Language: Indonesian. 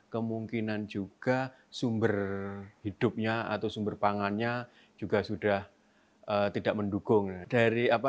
kemungkinan juga sumber hidupnya atau sumber pangannya juga sudah tidak mendukung